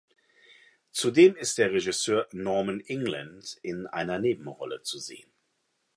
Zudem ist der Regisseur Norman England in einer Nebenrolle zu sehen.